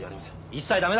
一切駄目だ！